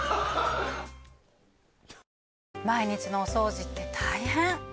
毎日のお掃除って大変。